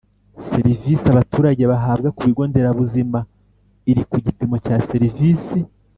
Serivisi abaturage bahabwa ku bigo nderabuzima iri ku gipimo cya serivisi